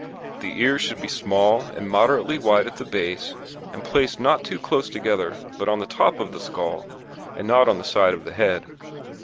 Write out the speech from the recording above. THE EARS should be small and moderately wide at the base, and placed not too close together but on the top of the skull and not on the side of the head.